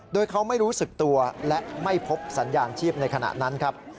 โดยเขาไม่รู้สึกตัวและไม่พบสัญญาณชีพในขณะนั้นครับ